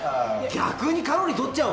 逆にカロリーとっちゃうわ。